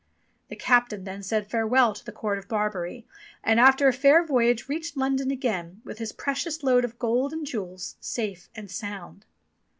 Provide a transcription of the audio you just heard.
The captain then said farewell to the court of Barbary, and after a fair voyage reached London again with his precious load of gold and jewels safe and sound.